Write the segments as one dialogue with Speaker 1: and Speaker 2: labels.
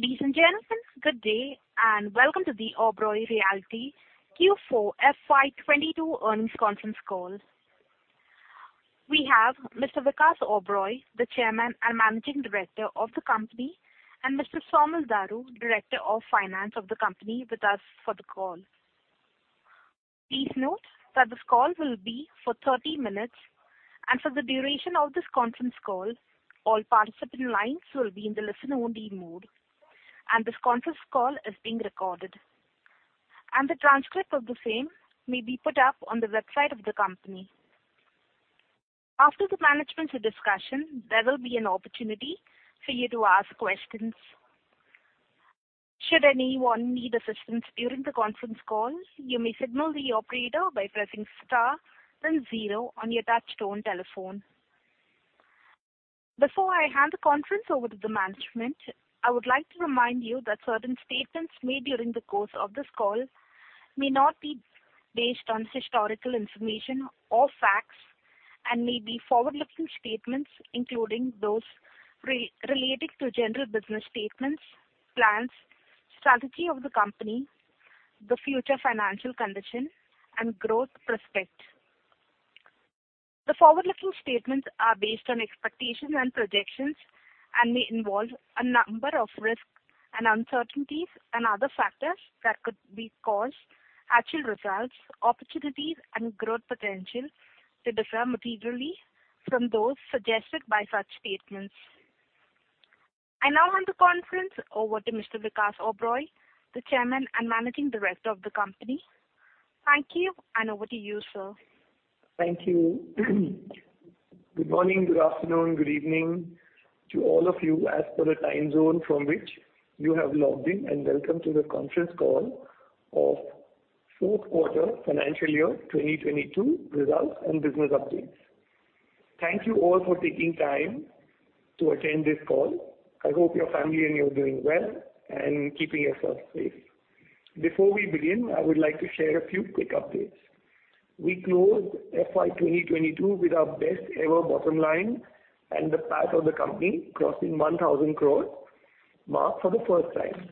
Speaker 1: Ladies and gentlemen, good day, and welcome to the Oberoi Realty Q4 FY22 earnings conference call. We have Mr. Vikas Oberoi, the Chairman and Managing Director of the company, and Mr. Saumil Daru, Director of Finance of the company, with us for the call. Please note that this call will be for 30 minutes. For the duration of this conference call, all participant lines will be in the listen only mode. This conference call is being recorded. The transcript of the same may be put up on the website of the company. After the management's discussion, there will be an opportunity for you to ask questions. Should anyone need assistance during the conference call, you may signal the operator by pressing star then zero on your touchtone telephone. Before I hand the conference over to the management, I would like to remind you that certain statements made during the course of this call may not be based on historical information or facts and may be forward-looking statements, including those related to general business statements, plans, strategy of the company, the future financial condition and growth prospects. The forward-looking statements are based on expectations and projections and may involve a number of risks and uncertainties and other factors that could cause actual results, opportunities and growth potential to differ materially from those suggested by such statements. I now hand the conference over to Mr. Vikas Oberoi, the Chairman and Managing Director of the company. Thank you, and over to you, sir.
Speaker 2: Thank you. Good morning, good afternoon, good evening to all of you as per the time zone from which you have logged in. Welcome to the conference call of Fourth Quarter Financial Year 2022 results and business updates. Thank you all for taking time to attend this call. I hope your family and you are doing well and keeping yourself safe. Before we begin, I would like to share a few quick updates. We closed FY 2022 with our best ever bottom line and the PAT of the company crossing 1,000 crore mark for the first time.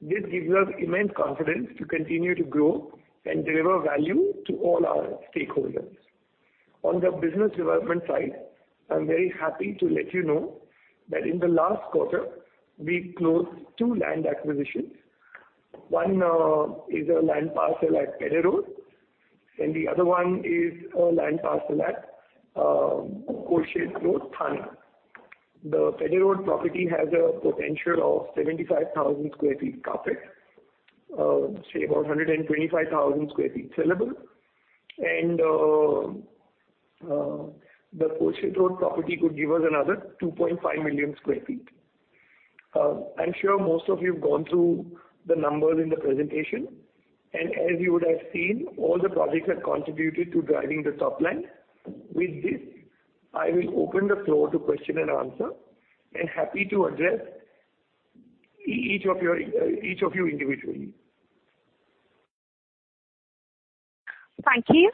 Speaker 2: This gives us immense confidence to continue to grow and deliver value to all our stakeholders. On the business development side, I'm very happy to let you know that in the last quarter we closed two land acquisitions. One is a land parcel at Pedder Road, and the other one is a land parcel at Kolshet Road, Thane. The Pedder Road property has a potential of 75,000 sq ft carpet, say about 125,000 sq ft saleable. The Kolshet Road property could give us another 2.5 million sq ft. I'm sure most of you have gone through the numbers in the presentation. As you would have seen, all the projects have contributed to driving the top line. With this, I will open the floor to question and answer, and happy to address each of you individually.
Speaker 1: Thank you.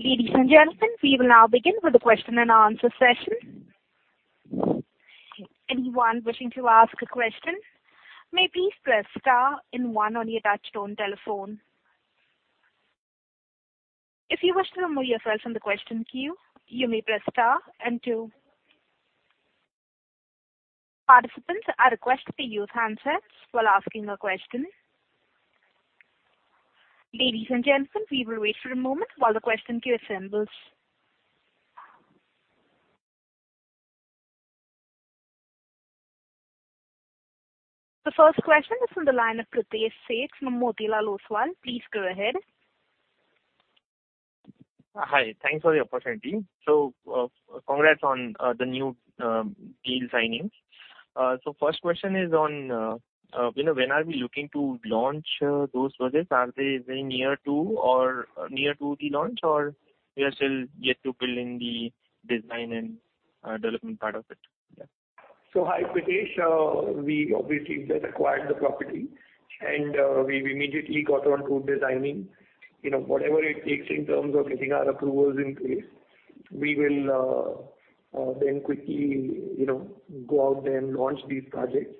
Speaker 1: Ladies and gentlemen, we will now begin with the question-and-answer session. Anyone wishing to ask a question may please press star then one on your touchtone telephone. If you wish to remove yourself from the question queue, you may press star then two. Participants are requested to use handsets while asking a question. Ladies and gentlemen, we will wait for a moment while the question queue assembles. The first question is from the line of Pritesh Sheth from Motilal Oswal. Please go ahead.
Speaker 3: Hi. Thanks for the opportunity. Congrats on the new deal signings. First question is on you know when are we looking to launch those projects? Are they very near to or near to the launch, or we are still yet to fill in the design and development part of it? Yeah.
Speaker 2: Hi, Pritesh. We obviously just acquired the property, and we've immediately got on to designing, you know, whatever it takes in terms of getting our approvals in place. We will then quickly, you know, go out there and launch these projects.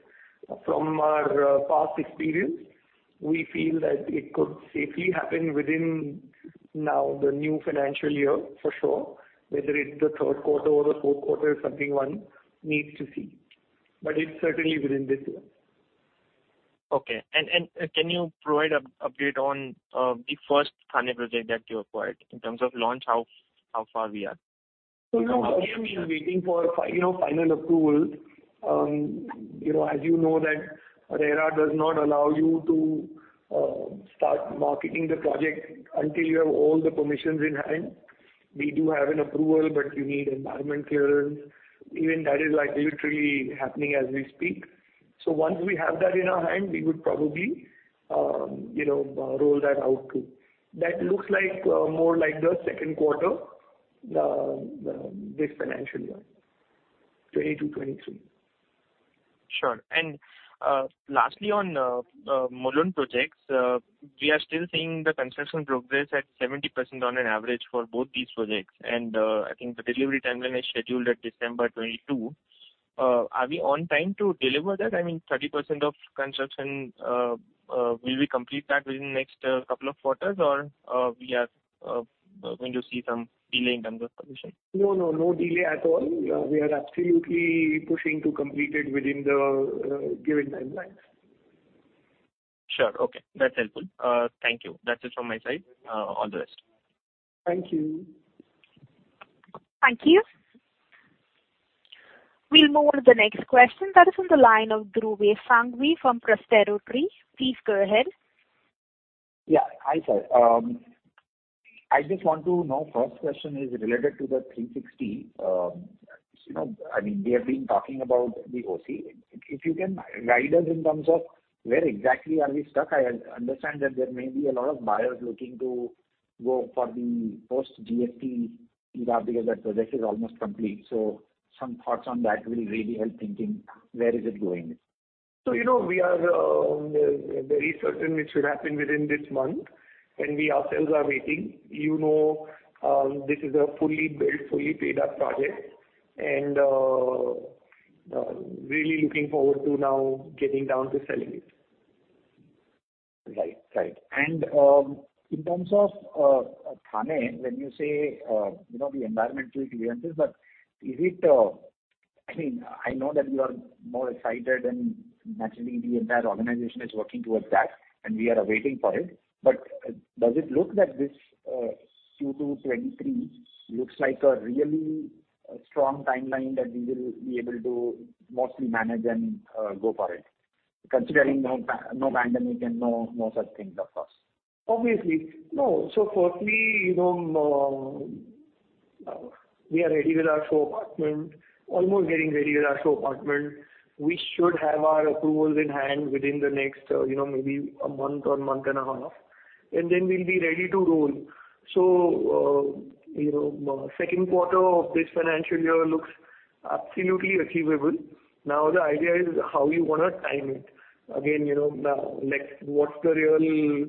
Speaker 2: From our past experience, we feel that it could safely happen within now the new financial year for sure. Whether it's the third quarter or the fourth quarter is something one needs to see. It's certainly within this year.
Speaker 3: Can you provide update on the first Thane project that you acquired? In terms of launch, how far we are?
Speaker 2: We are still waiting for final approval. You know, as you know that RERA does not allow you to start marketing the project until you have all the permissions in hand. We do have an approval, but you need environment clearance. Even that is like literally happening as we speak. Once we have that in our hand, we would probably, you know, roll that out too. That looks like more like the second quarter, this financial year, 2022-2023.
Speaker 3: Sure. Lastly, on Mulund projects. We are still seeing the construction progress at 70% on an average for both these projects, and I think the delivery timeline is scheduled at December 2022. Are we on time to deliver that? I mean, 30% of construction will we complete that within the next couple of quarters or we are going to see some delay in terms of possession?
Speaker 2: No, no delay at all. We are absolutely pushing to complete it within the given timelines.
Speaker 3: Sure. Okay. That's helpful. Thank you. That's it from my side, on this.
Speaker 2: Thank you.
Speaker 1: Thank you. We'll move on to the next question. That is on the line of Dhruvesh Sanghvi from Prospero Tree. Please go ahead.
Speaker 4: Hi, sir. I just want to know, first question is related to the Three Sixty. You know, I mean, we have been talking about the OC. If you can guide us in terms of where exactly are we stuck. I understand that there may be a lot of buyers looking to go for the post GST because that project is almost complete. Some thoughts on that will really help thinking where is it going.
Speaker 2: You know, we are very certain it should happen within this month, and we ourselves are waiting. You know, this is a fully built, fully paid-up project, and really looking forward to now getting down to selling it.
Speaker 4: Right. In terms of Thane, when you say you know, the environmental clearances, but is it... I mean, I know that you are more excited, and naturally, the entire organization is working towards that, and we are waiting for it. Does it look that this Q2 2023 looks like a really strong timeline that we will be able to mostly manage and go for it, considering no pandemic and no such things, of course.
Speaker 2: Obviously. No. Firstly, you know, we are ready with our show apartment, almost getting ready with our show apartment. We should have our approvals in hand within the next, you know, maybe a month or month and a half. We'll be ready to roll. You know, second quarter of this financial year looks absolutely achievable. Now, the idea is how you wanna time it. Again, you know, next, what's the real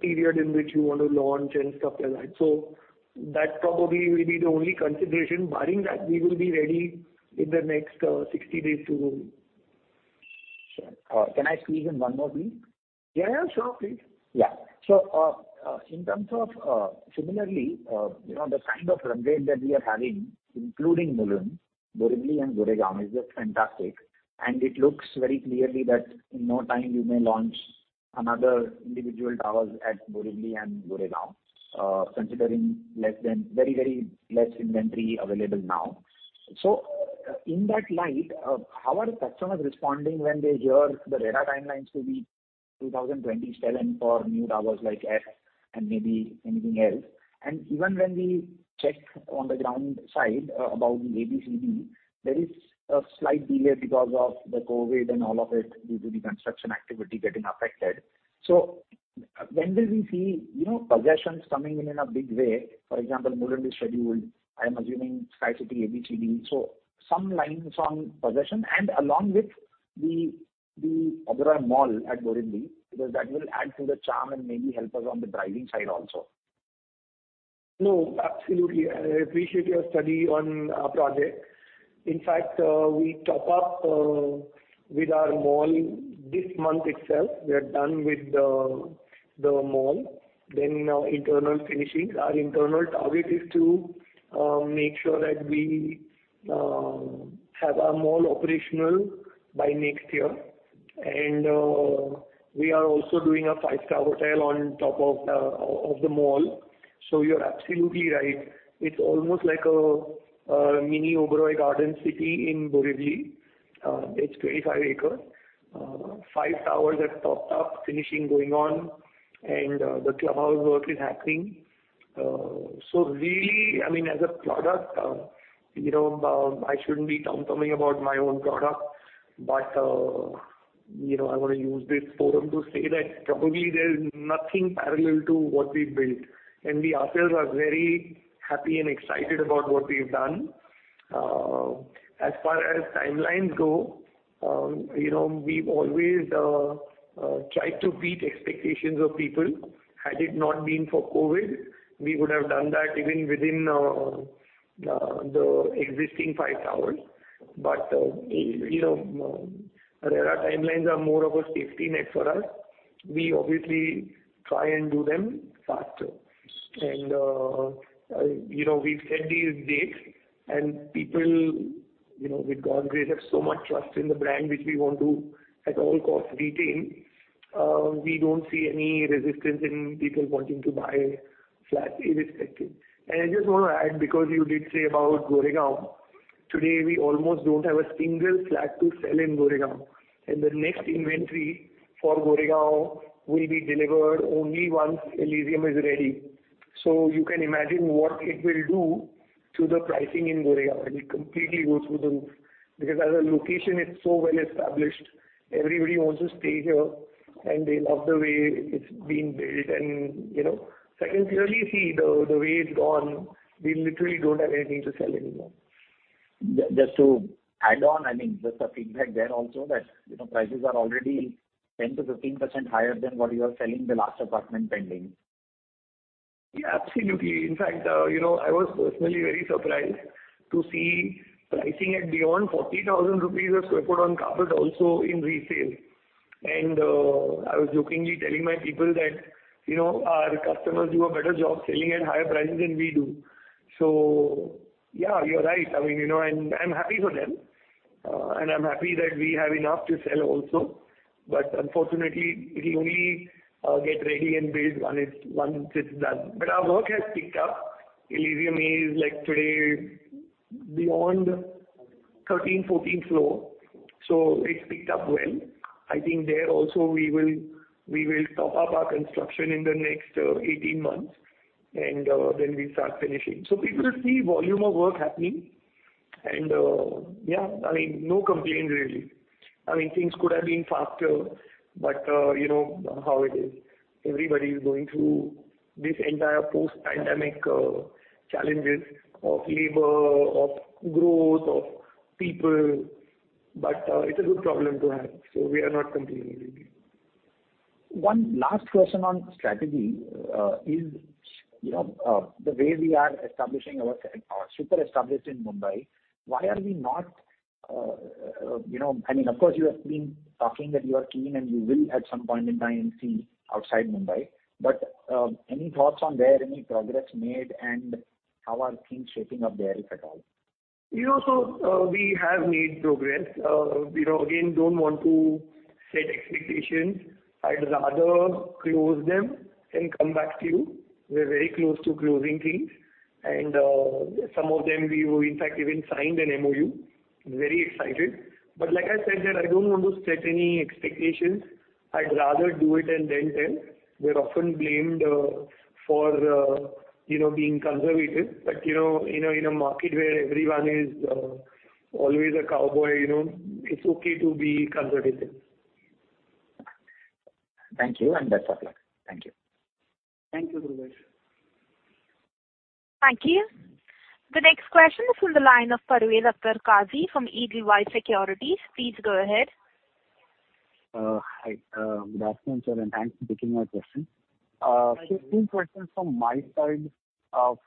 Speaker 2: period in which you want to launch and stuff like that. That probably will be the only consideration. Barring that, we will be ready in the next 60 days to roll.
Speaker 4: Sure. Can I squeeze in one more, please?
Speaker 2: Yeah, yeah. Sure. Please.
Speaker 4: Yeah, in terms of, similarly, you know, the kind of run rate that we are having, including Mulund, Borivali and Goregaon, is just fantastic. It looks very clearly that in no time you may launch another individual towers at Borivali and Goregaon, considering very less inventory available now. In that light, how are customers responding when they hear the RERA timelines will be 2020 still and for new towers like F and maybe anything else? Even when we check on the ground side about the A, B, C, D, there is a slight delay because of the COVID and all of it, due to the construction activity getting affected. When will we see, you know, possessions coming in in a big way? For example, Mulund is scheduled, I am assuming Sky City A, B, C, D. Some timelines on possession and along with the Oberoi Mall at Borivali, because that will add to the charm and maybe help us on the driving side also.
Speaker 2: No, absolutely. I appreciate your study on our project. In fact, we topped up with our mall this month itself. We are done with the mall. Now internal finishings. Our internal target is to make sure that we have our mall operational by next year. We are also doing a five-star hotel on top of the mall. You're absolutely right. It's almost like a mini Oberoi Garden City in Borivali. It's 25 acres. Five towers are topped up, finishing going on, and the clubhouse work is happening. Really, I mean, as a product, you know, I shouldn't be down-talking about my own product, but, you know, I wanna use this forum to say that probably there's nothing parallel to what we've built, and we ourselves are very happy and excited about what we've done. As far as timelines go, you know, we've always tried to beat expectations of people. Had it not been for COVID, we would have done that even within the existing five towers. You know, RERA timelines are more of a safety net for us. We obviously try and do them faster. You know, we've set these dates, and people, you know, with God's grace, have so much trust in the brand, which we want to at all costs retain. We don't see any resistance in people wanting to buy flats irrespective. I just wanna add, because you did say about Goregaon. Today, we almost don't have a single flat to sell in Goregaon. The next inventory for Goregaon will be delivered only once Elysian is ready. You can imagine what it will do to the pricing in Goregaon. It'll completely go through the roof. Because as a location, it's so well-established. Everybody wants to stay here. They love the way it's been built. You know, secondly, you see the way it's gone, we literally don't have anything to sell anymore.
Speaker 4: Just to add on, I think just the feedback there also that, you know, prices are already 10%-15% higher than what you were selling the last apartment pending.
Speaker 2: Yeah, absolutely. In fact, you know, I was personally very surprised to see pricing at beyond 40,000 rupees per sq ft on carpets also in resale. I was jokingly telling my people that, you know, our customers do a better job selling at higher prices than we do. Yeah, you're right. I mean, you know, I'm happy for them. I'm happy that we have enough to sell also. Unfortunately, it'll only get ready and build once it's done. Our work has picked up. Elysian is like today beyond 13, 14 floor. It's picked up well. I think there also we will top up our construction in the next 18 months, and then we start finishing. People will see volume of work happening. Yeah, I mean, no complaints really. I mean, things could have been faster, but, you know how it is. Everybody is going through this entire post-pandemic, challenges of labor, of growth, of people. It's a good problem to have, so we are not complaining really.
Speaker 4: One last question on strategy, is, you know, the way we are establishing our superb establishment in Mumbai, why are we not, you know? I mean, of course, you have been talking that you are keen and you will at some point in time seek outside Mumbai. Any thoughts on where any progress made and how are things shaping up there, if at all?
Speaker 2: You know, we have made progress. We know, again, don't want to set expectations. I'd rather close them and come back to you. We're very close to closing things. Some of them we will, in fact, even signed an MoU. Very excited. Like I said that I don't want to set any expectations. I'd rather do it and then tell. We're often blamed for you know, being conservative. You know, in a market where everyone is always a cowboy, you know, it's okay to be conservative.
Speaker 4: Thank you. Best of luck. Thank you.
Speaker 2: Thank you, Dhruvesh.
Speaker 1: Thank you. The next question is from the line of Parvez Akhtar Qazi from Edelweiss Securities. Please go ahead.
Speaker 5: Hi. Good afternoon, sir, and thanks for taking my question. Two questions from my side.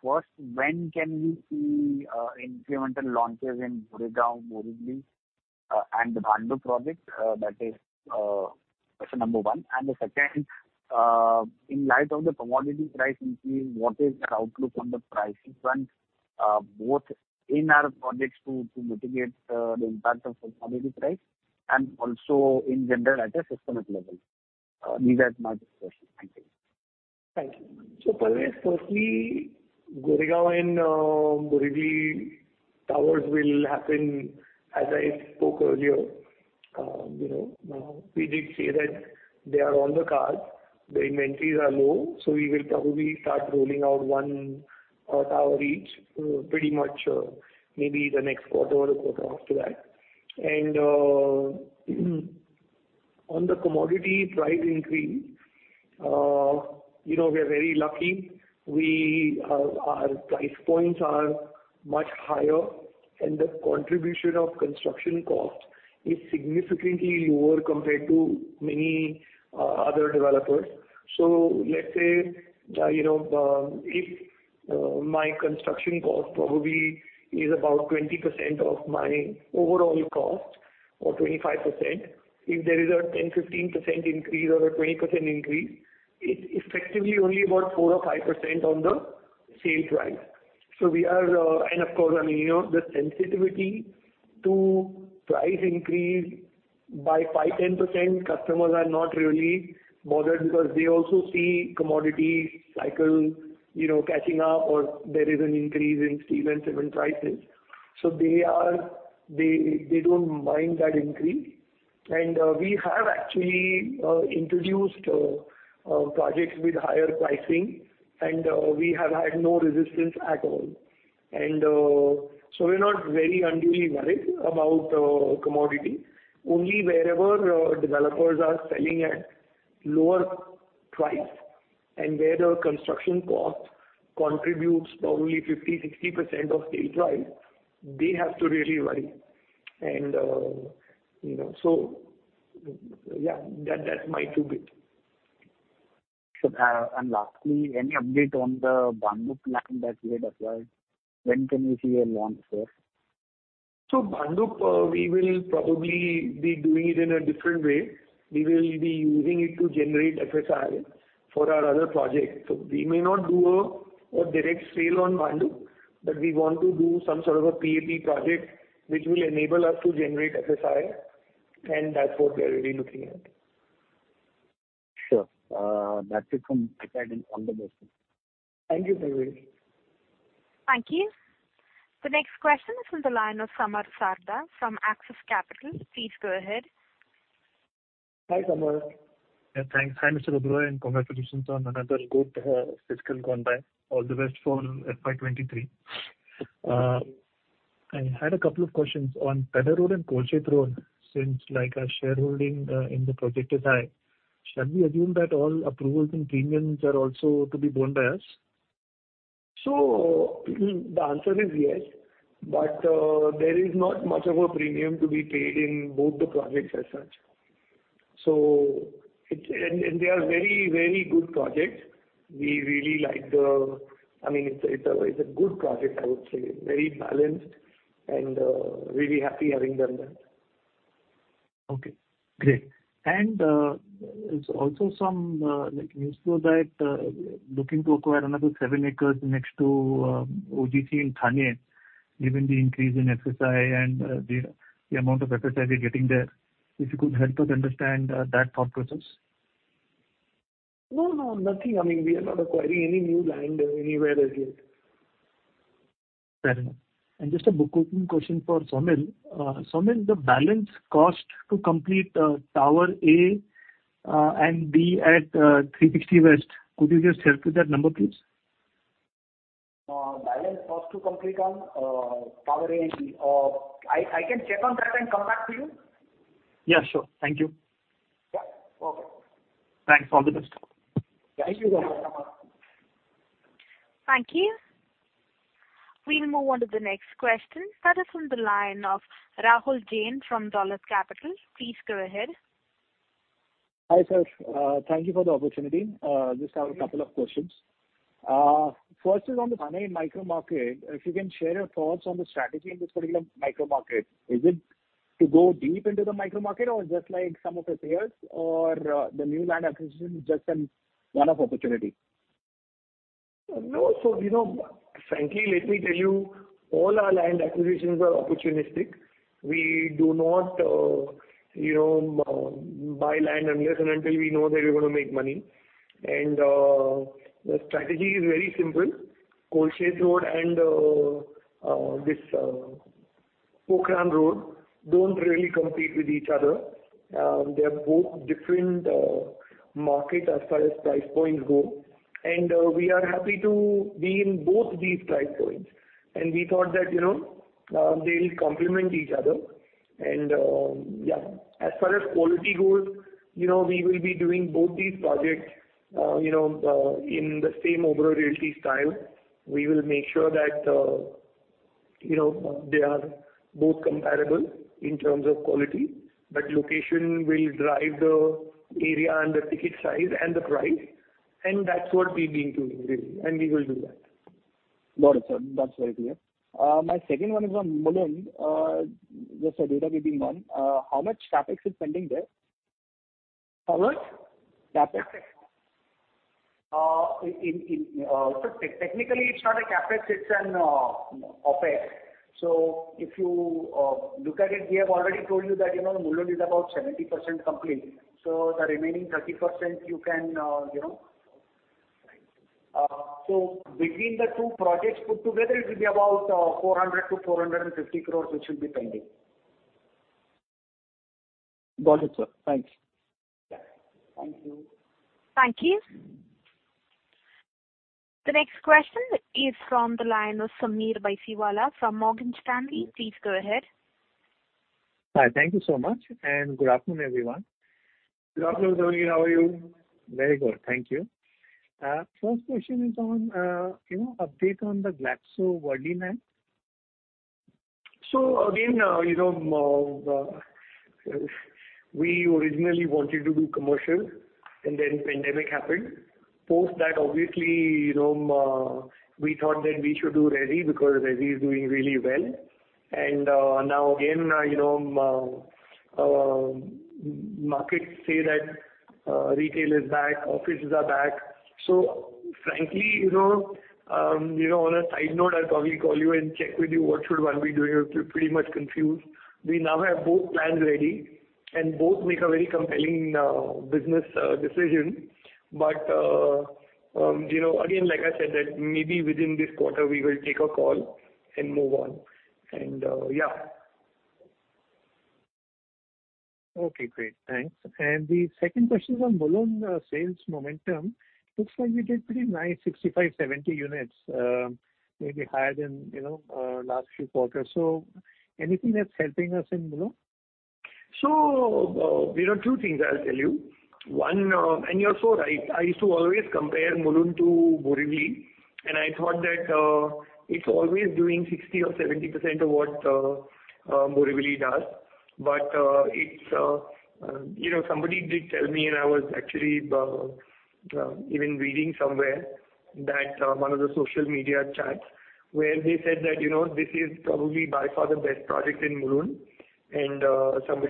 Speaker 5: First, when can we see incremental launches in Goregaon, Borivali, and Bhandup project? That is question number one. The second, in light of the commodity price increase, what is the outlook on the pricing front, both in our projects to mitigate the impact of commodity price and also in general at a systemic level? These are my questions. Thank you.
Speaker 2: Thank you. Parvez, firstly, Goregaon and Borivali towers will happen as I spoke earlier. You know, we did say that they are on the cards. The inventories are low, so we will probably start rolling out one tower each, pretty much, maybe the next quarter or the quarter after that. On the commodity price increase, you know, we are very lucky. Our price points are much higher, and the contribution of construction cost is significantly lower compared to many other developers. Let's say, you know, if my construction cost probably is about 20% of my overall cost or 25%, if there is a 10%-15% increase or a 20% increase, it's effectively only about 4% or 5% on the sale price. We are... Of course, I mean, you know, the sensitivity to price increase by 5%-10%, customers are not really bothered because they also see commodity cycle, you know, catching up or there is an increase in steel and cement prices. They don't mind that increase. We have actually introduced projects with higher pricing, and we have had no resistance at all. We're not very unduly worried about commodity. Only wherever developers are selling at lower price and where the construction cost contributes probably 50%-60% of sale price, they have to really worry. You know, yeah, that's my two bit.
Speaker 6: Sure. Lastly, any update on the Bhandup land that you had acquired? When can we see a launch there?
Speaker 2: Bhandup, we will probably be doing it in a different way. We will be using it to generate FSI for our other projects. We may not do a direct sale on Bhandup, but we want to do some sort of a PAP project which will enable us to generate FSI, and that's what we are really looking at.
Speaker 6: Sure. That's it from my side and on the question.
Speaker 2: Thank you, Parvez.
Speaker 1: Thank you. The next question is from the line of Samar Sarda from Axis Capital. Please go ahead.
Speaker 2: Hi, Samar.
Speaker 7: Yeah, thanks. Hi, Mr. Abhay, and congratulations on another good fiscal gone by. All the best for FY 2023. I had a couple of questions on Pedder Road and Kolshet Road. Since, like, our shareholding in the project is high, shall we assume that all approvals and premiums are also to be borne by us?
Speaker 2: The answer is yes, but there is not much of a premium to be paid in both the projects as such. They are very, very good projects. We really like, I mean, it's a good project, I would say. Very balanced and really happy having done that.
Speaker 7: Okay, great. There's also some like news flow that looking to acquire another 7 acres next to ODC in Thane, given the increase in FSI and the amount of FSI you're getting there. If you could help us understand that thought process.
Speaker 2: No, no, nothing. I mean, we are not acquiring any new land anywhere as yet.
Speaker 7: Fair enough. Just a book opening question for Saumil. Saumil, the balance cost to complete tower A and B at Three Sixty West, could you just help with that number, please?
Speaker 8: Balance cost to complete on tower A and B. I can check on that and come back to you.
Speaker 7: Yeah, sure. Thank you.
Speaker 8: Yeah. Okay.
Speaker 7: Thanks. All the best.
Speaker 8: Thank you.
Speaker 1: Thank you. We'll move on to the next question. That is from the line of Rahul Jain from Dolat Capital. Please go ahead.
Speaker 9: Hi, sir. Thank you for the opportunity. Just have a couple of questions. First is on the Thane micro market. If you can share your thoughts on the strategy in this particular micro market. Is it to go deep into the micro market or just like some of your peers or, the new land acquisition is just a one-off opportunity?
Speaker 2: No. You know, frankly, let me tell you, all our land acquisitions are opportunistic. We do not, you know, buy land unless and until we know that we're gonna make money. The strategy is very simple. Kolshet Road and this Pokhran Road don't really compete with each other. They're both different market as far as price points go. We are happy to be in both these price points. We thought that, you know, they'll complement each other. Yeah. As far as quality goes, you know, we will be doing both these projects, you know, in the same Oberoi Realty style. We will make sure that, you know, they are both comparable in terms of quality. Location will drive the area and the ticket size and the price, and that's what we've been doing really, and we will do that.
Speaker 9: Got it, sir. That's very clear. My second one is on Mulund. Just the data we've been on. How much CapEx is pending there?
Speaker 2: Pardon?
Speaker 9: CapEx.
Speaker 2: Technically, it's not a CapEx, it's an OpEx. If you look at it, we have already told you that, you know, Mulund is about 70% complete. The remaining 30% you can, you know.
Speaker 9: Right.
Speaker 2: Between the two projects put together, it'll be about 400 crore-450 crore which will be pending.
Speaker 9: Got it, sir. Thanks.
Speaker 2: Yeah. Thank you.
Speaker 1: Thank you. The next question is from the line of Sameer Baisiwala from Morgan Stanley. Please go ahead.
Speaker 10: Hi. Thank you so much, and good afternoon, everyone.
Speaker 2: Good afternoon, Sameer. How are you?
Speaker 10: Very good. Thank you. First question is on, you know, update on the Glaxo-Worli land?
Speaker 2: Again, you know, we originally wanted to do commercial, and then pandemic happened. Post that, obviously, you know, we thought that we should do ready because ready is doing really well. Now again, you know, markets say that retail is back, offices are back. Frankly, you know, you know, on a side note, I'll probably call you and check with you what should one be doing. We're pretty much confused. We now have both plans ready, and both make a very compelling business decision. You know, again, like I said, that maybe within this quarter we will take a call and move on. Yeah.
Speaker 10: Okay, great. Thanks. The second question is on Mulund sales momentum. Looks like you did pretty nice 65-70 units, maybe higher than, you know, last few quarters. Anything that's helping us in Mulund?
Speaker 2: You know, two things I'll tell you. One, you're so right. I used to always compare Mulund to Borivali, and I thought that it's always doing 60% or 70% of what Borivali does. It's you know, somebody did tell me, and I was actually even reading somewhere that one of the social media chats where they said that you know, this is probably by far the best project in Mulund. I kind of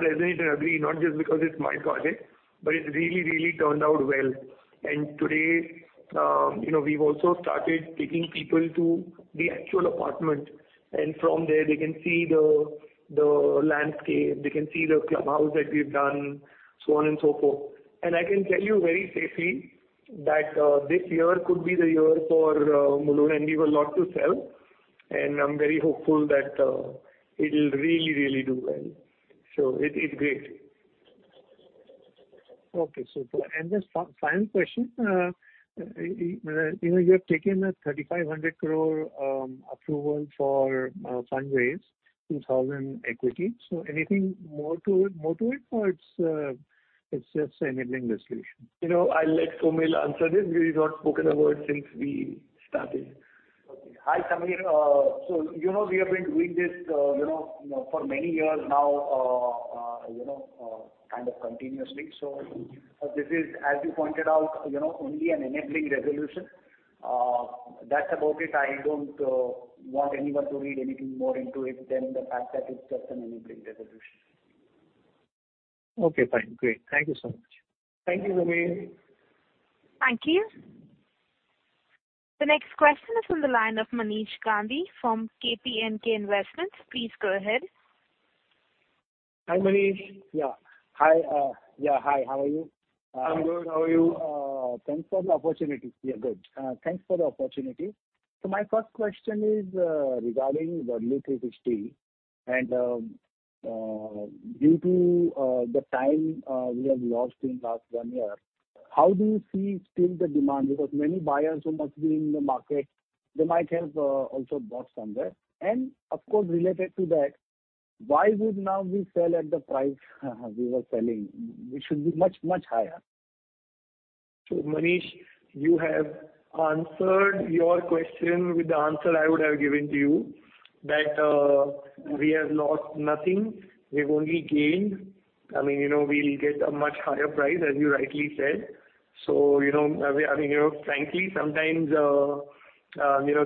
Speaker 2: resonate and agree, not just because it's my project, but it's really really turned out well. Today you know, we've also started taking people to the actual apartment, and from there they can see the landscape, they can see the clubhouse that we've done, so on and so forth. I can tell you very safely that this year could be the year for Mulund, and we've a lot to sell, and I'm very hopeful that it'll really, really do well. It, it's great.
Speaker 10: The final question, you know, you have taken a 3,500 crore approval for fundraise, 2,000 equity. Anything more to it or it's just enabling this solution?
Speaker 2: You know, I'll let Saumil answer this. He's not spoken a word since we started.
Speaker 8: Okay. Hi, Sameer. You know, we have been doing this, you know, for many years now, kind of continuously. This is, as you pointed out, you know, only an enabling resolution. That's about it. I don't want anyone to read anything more into it than the fact that it's just an enabling resolution.
Speaker 10: Okay, fine. Great. Thank you so much.
Speaker 2: Thank you, Sameer.
Speaker 1: Thank you. The next question is from the line of Manish Gandhi from KPMK Investments. Please go ahead.
Speaker 2: Hi, Manish.
Speaker 11: Yeah. Hi. Yeah. Hi. How are you?
Speaker 2: I'm good. How are you?
Speaker 12: Thanks for the opportunity. My first question is, regarding the Three Sixty. Due to the time we have lost in last one year, how do you see still the demand? Because many buyers who must be in the market, they might have also bought somewhere. Of course, related to that, why would now we sell at the price we were selling? We should be much, much higher.
Speaker 2: Manish, you have answered your question with the answer I would have given to you that we have lost nothing. We've only gained. I mean, you know, we'll get a much higher price, as you rightly said. You know, I mean, you know, frankly, sometimes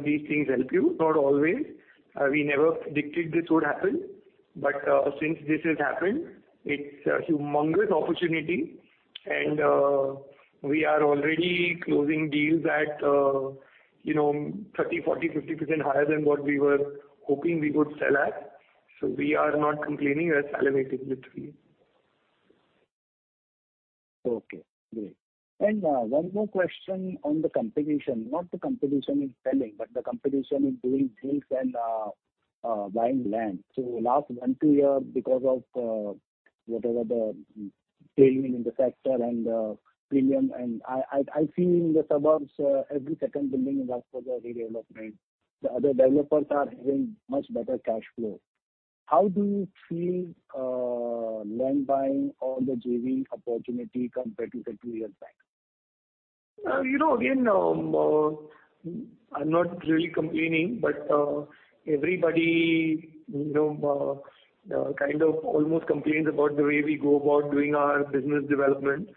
Speaker 2: these things help you. Not always. We never predicted this would happen, but since this has happened, it's a humongous opportunity. We are already closing deals at, you know, 30, 40, 50% higher than what we were hoping we would sell at. We are not complaining. We are salivating with you.
Speaker 12: Okay, great. One more question on the competition, not the competition in selling, but the competition in doing deals and buying land. Last 1-2 years, because of whatever the tailwind in the sector and premium, and I feel in the suburbs, every second building is up for the redevelopment. The other developers are having much better cash flow. How do you feel land buying or the JV opportunity compared to the 2 years back?
Speaker 2: You know, again, I'm not really complaining, but everybody, you know, kind of almost complains about the way we go about doing our business development,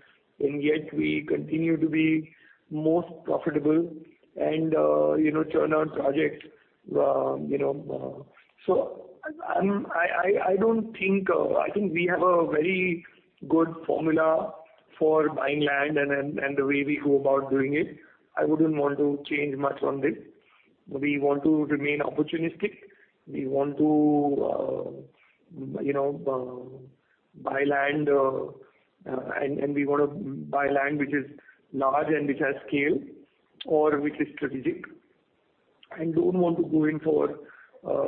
Speaker 2: and yet we continue to be most profitable and, you know, churn out projects, you know. I don't think, I think we have a very good formula for buying land and the way we go about doing it. I wouldn't want to change much on this. We want to remain opportunistic. We want to, you know, buy land, and we wanna buy land which is large and which has scale or which is strategic, and don't want to go in for,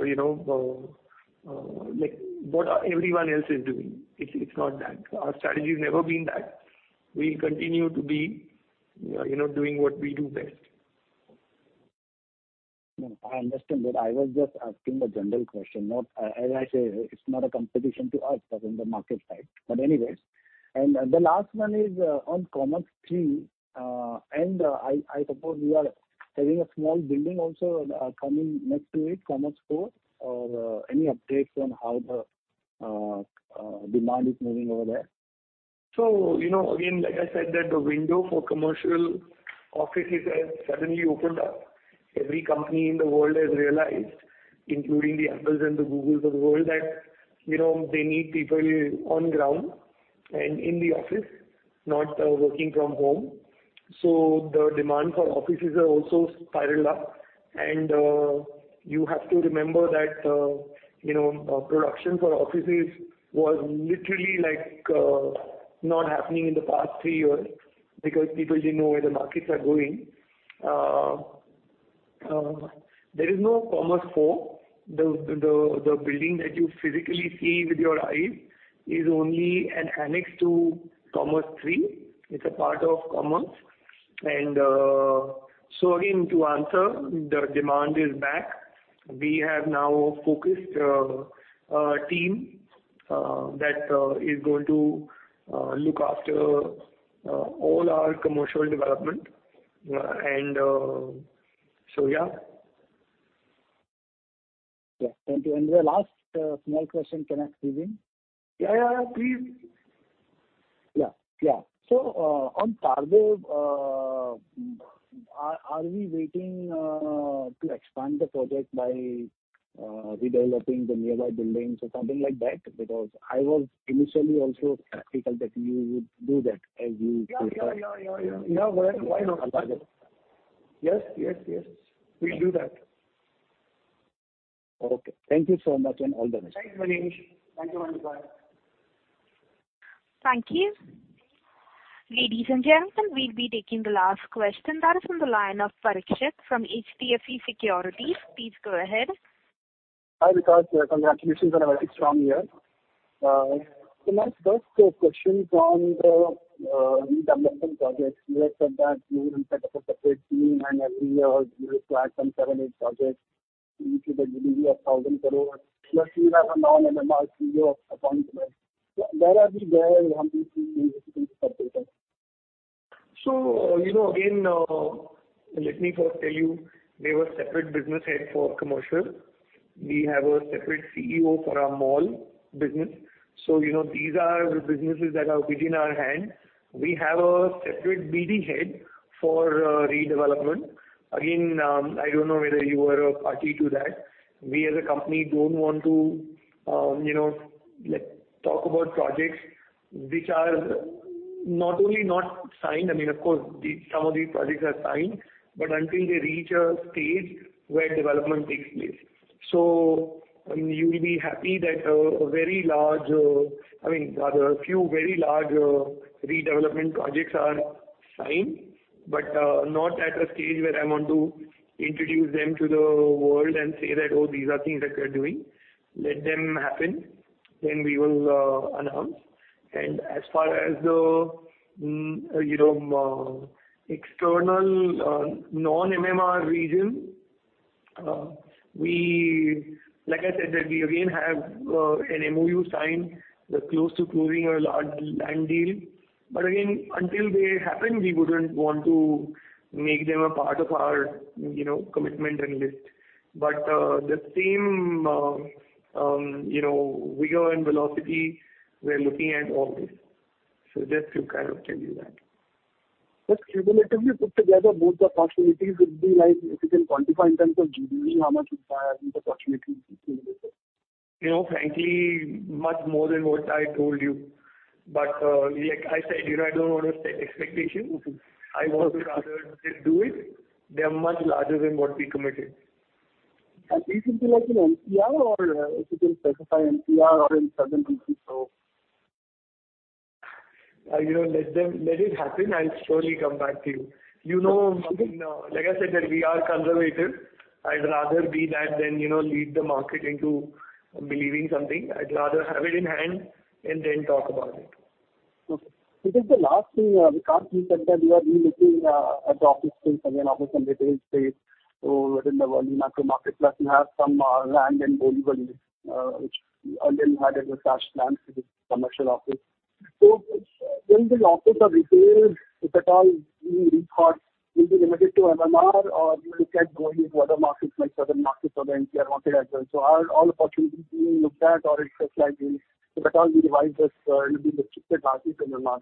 Speaker 2: you know, like what everyone else is doing. It's not that. Our strategy's never been that. We continue to be, you know, doing what we do best.
Speaker 9: No, I understand that. I was just asking the general question. As I say, it's not a competition to us, but in the market side. Anyways. The last one is on Commerz III. I suppose you are having a small building also coming next to it, Commerz IV. Or any updates on how the demand is moving over there?
Speaker 2: You know, again, like I said, that the window for commercial offices has suddenly opened up. Every company in the world has realized, including the Apples and the Googles of the world, that, you know, they need people on ground and in the office, not working from home. The demand for offices has also spiraled up. You have to remember that, you know, construction for offices was literally like not happening in the past three years because people didn't know where the markets are going. There is no Commerz IV. The building that you physically see with your eyes is only an annex to Commerz III. It's a part of Commerz. Again, to answer, the demand is back. We have now a focused team that is going to look after all our commercial development. Yeah.
Speaker 9: Yeah. Thank you. The last, small question, can I squeeze in?
Speaker 2: Yeah, yeah. Please.
Speaker 12: Yeah. Yeah. On Tardeo, are we waiting to expand the project by redeveloping the nearby buildings or something like that? Because I was initially also skeptical that you would do that as you-
Speaker 2: Yeah, yeah, yeah. You know what? Why not? Yes. Yes. Yes. We'll do that.
Speaker 12: Okay. Thank you so much and all the best.
Speaker 2: Thanks, Manish. Thank you, Manish. Bye.
Speaker 1: Thank you. Ladies and gentlemen, we'll be taking the last question. That is on the line of Parikshit from HDFC Securities. Please go ahead.
Speaker 13: Hi, Vikas. Congratulations on a very strong year. Can I ask a question on the redevelopment projects? You had said that you will set up a separate team, and every year you look to add some seven, eight projects, which would give you INR 1,000 crore. Plus, you have a non-MMR CEO appointment. Where are we there? And have you seen any specific proposals?
Speaker 2: You know, again, let me first tell you, there was separate business head for commercial. We have a separate CEO for our mall business. You know, these are businesses that are within our hand. We have a separate BD head for redevelopment. Again, I don't know whether you were a party to that. We as a company don't want to, you know, like, talk about projects which are not only not signed. I mean, of course, some of these projects are signed, but until they reach a stage where development takes place. You'll be happy that a very large, I mean, rather a few very large redevelopment projects are signed, but not at a stage where I want to introduce them to the world and say that, "Oh, these are things that we're doing." Let them happen, then we will announce. As far as the external, non-MMR region, we like I said that we again have an MoU signed. We're close to closing a large land deal. But again, until they happen, we wouldn't want to make them a part of our, you know, commitment and list. But the same, you know, vigor and velocity we're looking at all this. Just to kind of tell you that.
Speaker 13: Just cumulatively put together both the possibilities would be like, if you can quantify in terms of GDV, how much is the possibility.
Speaker 2: You know, frankly, much more than what I told you. Like I said, you know, I don't wanna set expectations.
Speaker 13: Okay.
Speaker 2: I would rather just do it. They are much larger than what we committed.
Speaker 13: These would be like in NCR or, if you can specify, NCR or in southern Mumbai, so.
Speaker 2: You know, let them, let it happen. I'll surely come back to you. You know, I mean, like I said, that we are conservative. I'd rather be that than, you know, lead the market into believing something. I'd rather have it in hand and then talk about it.
Speaker 13: Okay. Because the last thing, Vikas, we said that you are really looking at office space. I mean, office and retail space over in the Mumbai market. Plus you have some land in Borivali, which again had a fresh plan for this commercial office. When these office or retail, if at all you thought will be limited to MMR or you look at going into other markets like southern markets or the NCR market as well. Are all opportunities being looked at or it's just like if at all you revise this, it'll be restricted largely to MMR.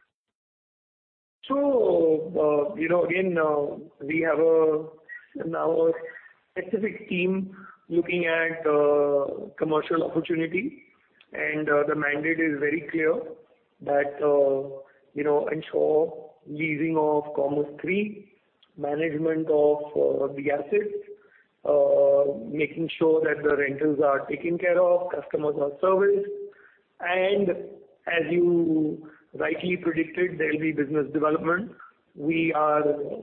Speaker 2: You know, again, we have now a specific team looking at commercial opportunity. The mandate is very clear that you know, ensure leasing of Commerz III, management of the assets, making sure that the rentals are taken care of, customers are serviced. As you rightly predicted, there'll be business development. We are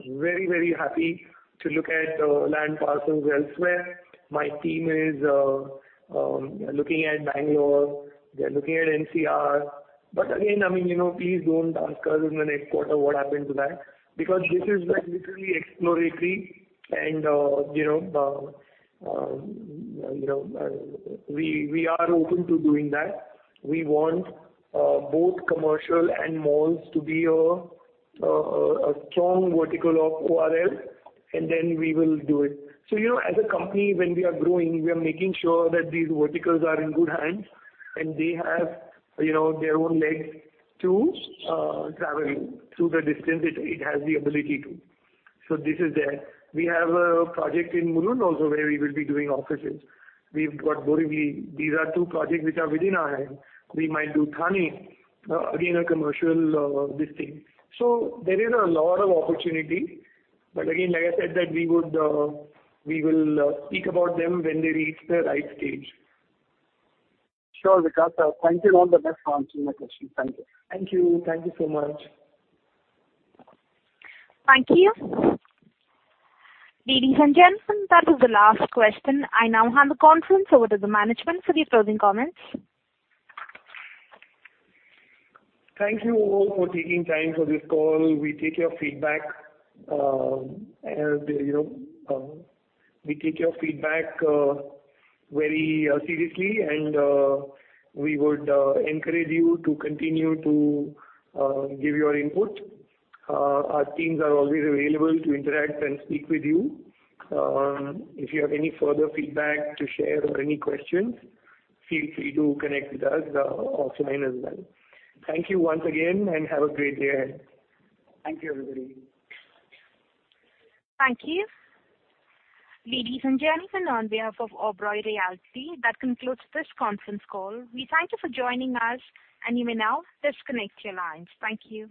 Speaker 2: very, very happy to look at land parcels elsewhere. My team is looking at Bangalore, they're looking at NCR. Again, I mean, you know, please don't ask us in the next quarter what happened to that, because this is like literally exploratory and you know, we are open to doing that. We want both commercial and malls to be a strong vertical of ORL, and then we will do it. You know, as a company, when we are growing, we are making sure that these verticals are in good hands, and they have, you know, their own legs to travel through the distance it has the ability to. This is there. We have a project in Mulund also where we will be doing offices. We've got Borivali. These are two projects which are within our hand. We might do Thane again a commercial this thing. There is a lot of opportunity. Again, like I said, that we will speak about them when they reach the right stage.
Speaker 13: Sure, Vikas. Thank you. All the best. Thank you for my question. Thank you.
Speaker 2: Thank you. Thank you so much.
Speaker 1: Thank you. Ladies and gentlemen, that is the last question. I now hand the conference over to the management for their closing comments.
Speaker 2: Thank you all for taking time for this call. We take your feedback very seriously, and we would encourage you to continue to give your input. Our teams are always available to interact and speak with you. If you have any further feedback to share or any questions, feel free to connect with us offline as well. Thank you once again, and have a great day. Thank you, everybody.
Speaker 1: Thank you. Ladies and gentlemen, on behalf of Oberoi Realty, that concludes this conference call. We thank you for joining us, and you may now disconnect your lines. Thank you.